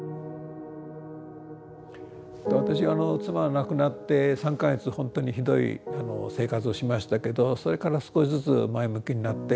私妻が亡くなって３か月ほんとにひどい生活をしましたけどそれから少しずつ前向きになって。